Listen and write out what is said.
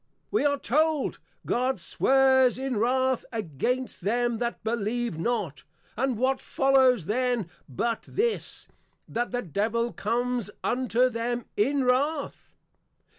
We are told, God swears in wrath, against them that believe not; and what follows then but this, _That the Devil comes unto them in wrath?